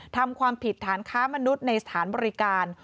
ทำความผิดฐานค้ามนุษย์ในสถานบริการ